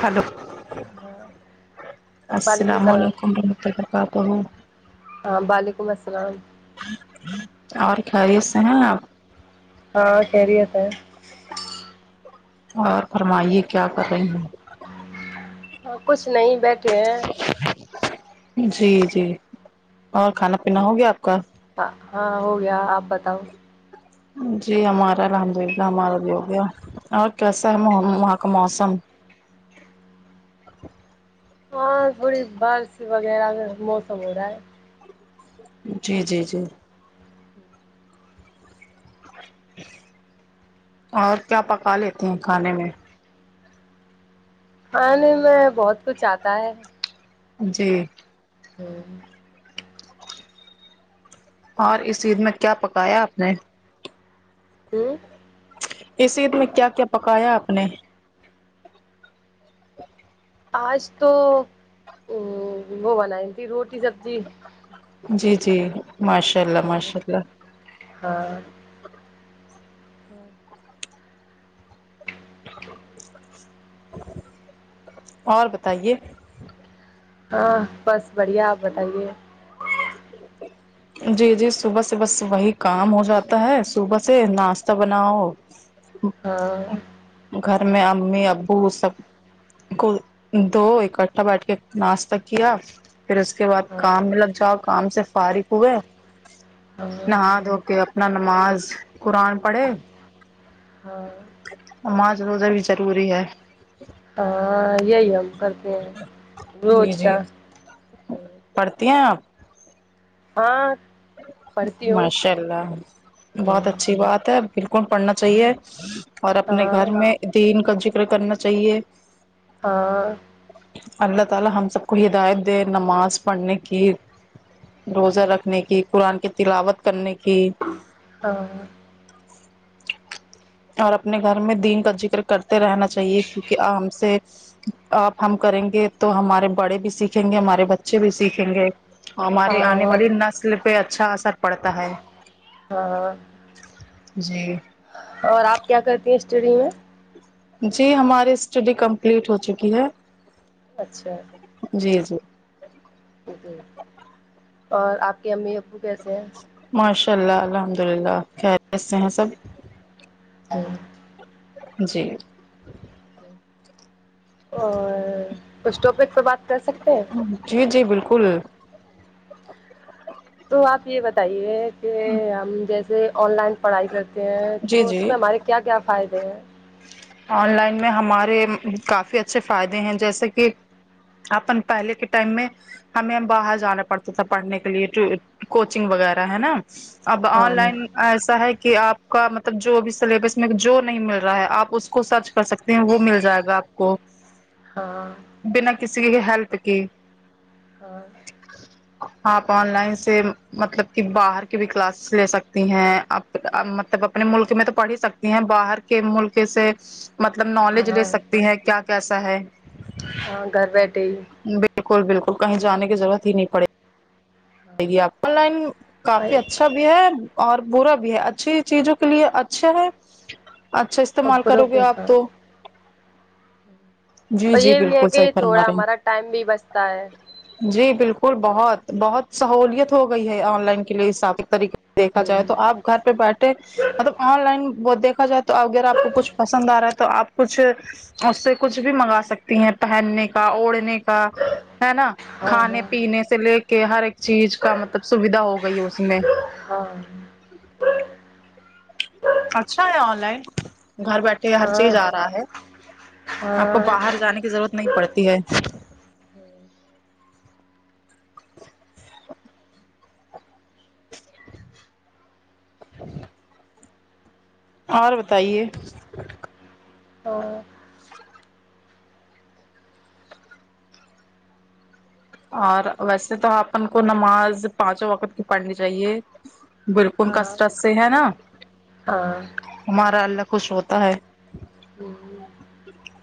hello ہاں السلام علیکم ورحمۃ اللہ وبرکاتہ ہاں وعلیکم السلام اور خیریت سے ہیں آپ ہاں خریت ہے اور فرمائیے کیا کر رہی ہوں ہاں کچھ نہیں بیٹھے ہیں جی جی اور کھانا پینا ہو گیا آپ کا ہاں ہو گیا آپ بتاؤ جی ہمارا الحمد للہ ہمارا بھی ہوگیہ اور کیساہے موم وہاں کا موسم ہاں تھوڑی بارش وغیرہ کا موسم ہو رہا ہے جی جی جی اور کیا پکا لیتے ہیں کھانے میں کھانے میں بہت کچھ آتا ہے جی ہوں اور اس عید میں کیا پکایا آپ نے ہوں اس عید میں کیا کیا پکایا آپ نے آج تو ا وہ بنائی تھی روٹی سبزی جی جی ماشا ہاں ہاں ہ اور بتائیے ہاں بس بڑھیا آپ بتائیے جی جی صبح سے بس وہی کام ہو جاتا ہے صبح سے ناشتہ بناؤ ہاں گھر میں امی ابو سب کو دو اکٹھا بیٹ کے ناشتہ کیا پھر اس کے بعد ہاں کام میں لگ جاؤ کام سے فارغ ہو گیا ہاں نہا دھو کے اپنا نماز قرآن پڑھے ہاں ماذ روزہ بھی ضروری ہے ہاں یہی ہم کرتے ہیں جی روج کا جی پڑھتی ہیں آپ ہاں پڑھتی ہوں ماشاء اللہ بہت اچھی بات ہے بالکل پڑھنا چاہیے اور اپنے گھر ہاں میں دین کا ذکر کرنا چاہیے ہاں اللہ تعالی ہم سب کو ہدایت دے نماز پڑھنے کی روزہ رکھنے کی قرآن کی تلاوت کرنے کی ہاں اور اپنے گھر میں دین کا ذکر کرتے رہنا چاہیے کیونکہ ہم سے آپ ہم کریں گے تو ہمارے بڑے بھی سیکھیں گے ہمارے بچے بھی سیکھیں گے ہاں ہماری آنے والی ہاں نسل پہ اچھا اثر پڑتا ہے ہاں ہاں جی اور آپ کیا کرتی ہیں اسٹڈی میں جی ہماری اسٹڈی کمپلیٹ ہو چکی ہے اچھا جی جی جی اور آپ کے امی ابو کیسے ہیں ماشاء اللہ الحمد للہ خیریت سے ہیں سب جی اور کچھ ٹاپک پہ بات کر سکتے ہیں جی جی بالکل تو آپ یہ بتائیے کہ ہم جیسے آن لائن پڑھائی کرتے ہیں جی تو اس جی میں ہمارے کیا کیا فائدے ہیں آن لائن میں ہمارے کافی اچھے فائدے ہیں جیسے کہ اپن پہلے کے ٹائم میں ہمیں ہم باہر جانا پڑتا تھا پڑھنے کے لیے کوچنگ وغیرہ ہے نا اب آن ہاں نا لائن ایسا ہے کہ آپ کا مطلب جو بھی سلیبس میں جو نہیں مل رہا ہے آپ اس کو سرچ کر سکتے ہیں وہ مل جائے گا آپ کو ہاں بنا کسی کے ہیلپ کے ہاں آپ آن لائن سے مطلب کہ باہر کی بھی کلاسز لے سکتی ہیں جب اپنے ملک میں تو پڑھ ہی سکتی ہیں باہر کے ملک سے مطلب نالج ہاں لے سکتی ہیں کیا کیسا ہے ہاں گھر بیٹھے بالکل بالکل کہیں جانے کی ضرورت ہی نہیں پڑے آن لائن کافی ہی اچھا بھی ہے اور برا بھی ہے اچھی چیزوں کے لیے اچھا ہے اچھا اور استعمال پرو کرو گے کے آپ ساتھ تو جی اور جی یہ بھی ہے بالکل صحیح کہ فرما تھوڑا رہے ہیں ہمارا ٹائم بھی بچتا ہے جی بالکل بہت بہت سہولیت ہو گئی ہے آن لائن کے لیے طریقے دیکھا ہوں جائے تو آپ گھر پہ بیٹھے مطلب آن لائن وہ دیکھا جائے تو اگر آپ کو کچھ پسند آ رہا ہے تو آپ کچھ اس سے کچھ بھی منگا سکتی ہیں پہننے کا اوڑھنے کا ہے نا ہاں کھانے پینے سے لے کے ہر ایک چیز کا مطلب سوھا ہو گئی اس میں ہاں اچھا ہے آن لائن گھر بیٹھے کہ ہاں ہر ہاں چیز آ رہا ہے آپ کو ہاں باہر جانے کی ضرورت نہیں پڑتی ہے اور بتائیے تو اور ویسے تو آپن کو نماز پانچوں وقت کی پڑھنی چاہیے بالکل ہاں کسرت سے ہے نا ہاں ہمارا اللہ خوش ہوتا ہے او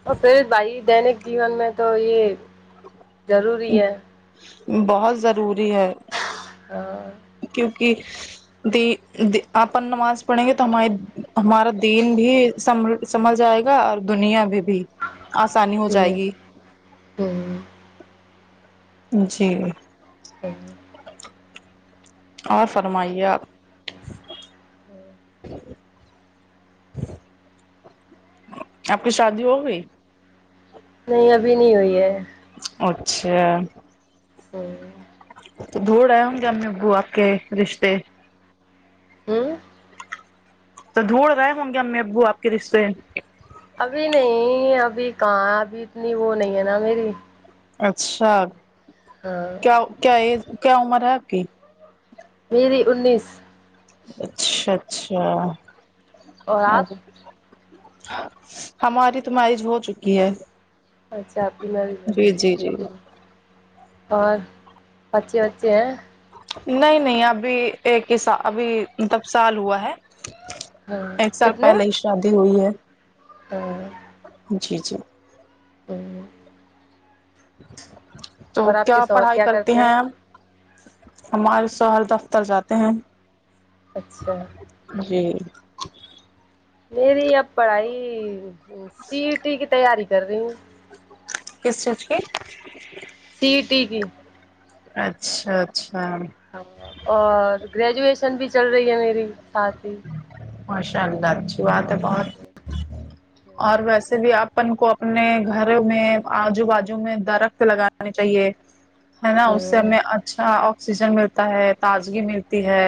اور پھر بھائی دینک جیون میں تو یہ ضروری ہے بہت ضروری ہے ہاں کیونکہ تی تی اپن نماز پڑھیں گے تو ہماراری ہمارا دین بھی سم سنبھل جائے گا اور دنیا میں بھی آسانی ہو جائے ہوں گی ہوں جی ہوں ہوں اور فرمائییا آپ کی شادی ہوگئی نہیں ابھی نہیں ہوئی ہے اچھا ہوں تو دوھڑ آئے ہوں گے ہم میں ابو آپ کے رشتے ہوں تو دھونڈ رہے ہوں گے ہم امی ابو آپ کے رشتے ابھی نہیں ابھی کہاں ابھی اتنی وہ نہیں ہے نا میری اچھا ہاں کیا کیا ایج کیا عمر ہے آپ کی میری انیس اچھا اچھا اور آپ ہماری تو ماریج ہو چکی ہے اچھا آپکی مریج ہو جی گںی جی جی تو اور بچے وبچے ہیں نہیں نہیں ابھی ایک ہی سا ابھی مطلب سال ہوا ہے ایک ہاں سال کتنے پہلے ہی شادی ہوئی ہے ہاں جی جی ہوں تو اور آپ کے کیا شوہر پڑھائی کرتی کرتے ہیں ہمارے شو ہر دفتر جاتے ہیں اچھا جی میری اب پڑھائی سی ای ٹی کی تیاری کر رہی ہو کس چیز کی سی ای ٹی کی اچھا اچھا ہاں اور گریجویشن بھی چل رہی ہے میری سات ہی ماشاء اللہ اچھی بات ہے بہت ہوں اور ویسے بھی اپن کو اپنے گھر میں آجو باجو میں درخت لگانے چاہیے ہے نا اس سے ہمیں اچھا آکسیجن ملتا ہے تازگی ملتی ہے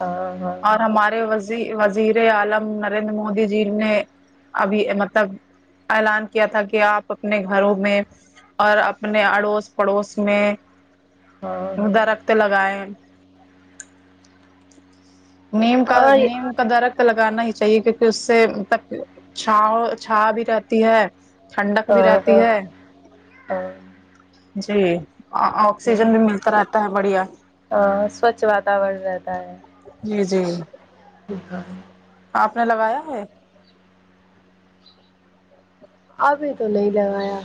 ہاں ہاں اور ہمارے وزیر عالم نریندر مودی جی نے ابھی مطلب اعلان کیا تھا کہ آپ اپنے گھروں میں اور اپنے اڑوس پڑوس میں ہاں ہاں درخت لگائے نیم کا ہاں یہ- نیم درخت تو لگانا ہی چاہیے کیونکہ اس سے مطلب چھاو چھایا بھی رہتی ہے ٹھنڈک ہ بھی رہتی ہاں ہے ہاں جی آکسیجن ہوں، بھی ملتا رہتا ہے بڑھیا ہاں سوچھ واتاورن رہتا ہے جی جی ہاں آپ نے لگایا ہے ابھی تو نہیں لگایا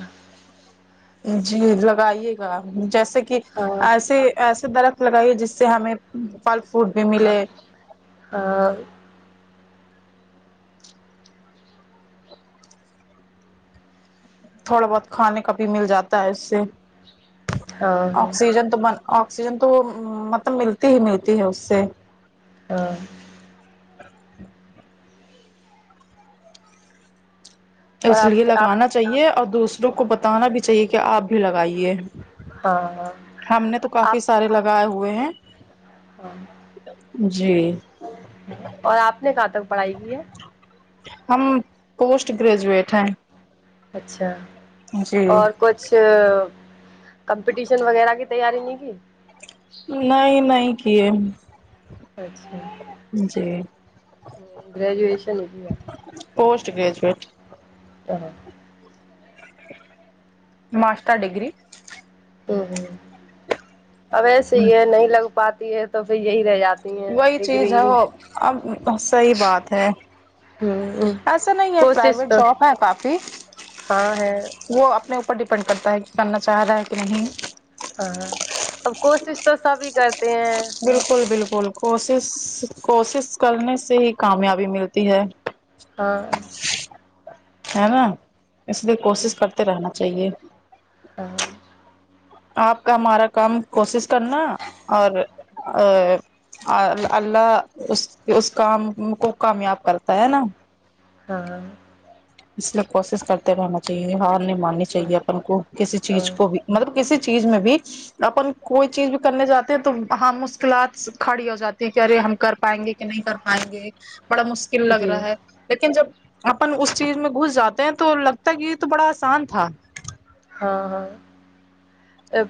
جی لگائیے گا جیسے کہ ہاں ایسے ایسے درخت لگائیے جس سے ہمیں پھل فروٹ بھی ملے ہاں تھوڑا بہت کھانے کا بھی مل جاتا ہے اس سے ہاں ہاں آکسیجن تو من آکسیجن تو مطلب ملتی ہی ملتی ہے اس سے ہ اور اس آپ لیے نے آپ لگانا چاہیے اور دوسروں کو بتانا بھی چاہیے کہ آپ بھی لگائیے ہاں ہاں ہم نے تو کافی آپ سارے لگائے ہوئے ہیں جی اور آپ نے کہاں تک پڑھائی کی ہے ہم پوسٹ گریجویٹ ہیں اچھا جی اور کچھ کمپٹیشن وغیرہ کی تیاری نہیں کی نہیں نہیں کیے اچھا جی گریجوشن ہی کی ہے پوسٹ گریجویٹ ا [unintelligible] ماسٹر ڈگری ہو ہو اب ایسے یہ نہیں لگ پاتی ہے تو پھر یہی رہ جاتی ہیں وہی چیز ڈگری ہے ہوں وہ اب صحیح بات ہے ایسا نہیں ہے کوشش پرائیویٹ تو جاب ہے کافی ہاں ہے وہ اپنے اوپر ڈیپینڈ کرتا ہے کہ کرنا چاہ رہا ہے کہ نہیں ہاں ہاں اب کوشش تو سبھی کر بالکل بالکل کوشش کوشش کرنے سے ہی کامیابی ملتی ہے ہاں ہے نا اس لیے کوشش کرتے رہنا چاہیے ہاں آپ کا ہمارا کام کوشش کرنا اور ا اللہ اس اس کام کو کامیاب کرتا ہے نا ہاں اس لیے کوشش کرتے رہنا چاہیے ہار نہیں ماننی ہاں چاہیے اپن کو کسی ہاں چیز کو بھی مطلب کسی چیز میں بھی اپن کوئی چیز بھی کرنے جاتے ہیں تو ہاں مشکلات کھڑی ہو جاتی ے کہراہیں ہم کر پائیں گے کہ نہیں کر پائیں گے بڑا مشکل لگ جی رہا ہے لیکن جب اپن اس چیز میں گھس جاتے ہیں تو لگتا ہے کہ یہ تو بڑا آسان تھا ہاں ہاں ا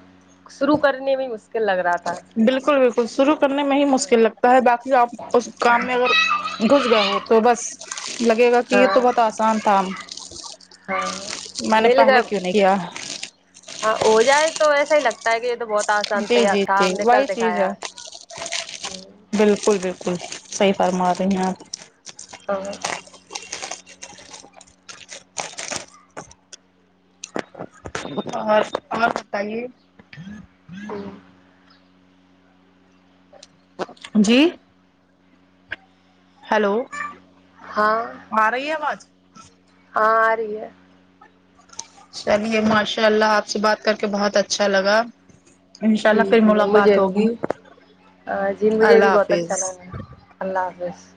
شروع کرنے میں مشکل لگ رہا تھا بالکل بالکل شروع کرنے میں ہی مشکل لگتا ہے باقی آپ اس کام میں اگر گھس گیا ہو تو بس لگے گا کہ یہ ہاں تو بہت آسان تھا ہاں میں نے مل گا پہلے کیوں نہیں یار ہاں ہو جائے تو ایسا ہی لگتا ہے کہ یہ تو بہت اسان جی تھیا جی تھا جی ہم نے کر وہی چیز ہے دکھایا ہمم بالکل بالکل صحیح فرما رہی ہیں آپ اور اور بتائیے جی ہیلو ہاں آرہی ہے آواز ہاں آ رہی ہے چلیے ماشاء اللہ آپ سے بات کر کے بہت اچھا لگا انشاء جی اللہ پھر جی ملاقات مجھے بھی ہوگی ہاں جی مجھے اللہ بھی بہت اچھا حافظ لگا اللہ حافظ